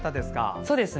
そうですね。